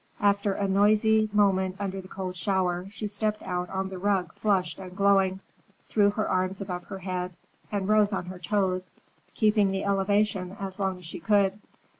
After a noisy moment under the cold shower, she stepped out on the rug flushed and glowing, threw her arms above her head, and rose on her toes, keeping the elevation as long as she could.